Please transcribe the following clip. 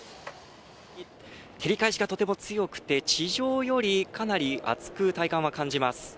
照り返しがとても強くて地上よりかなり熱く、体感は感じます。